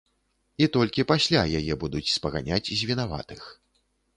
І толькі пасля яе будуць спаганяць з вінаватых.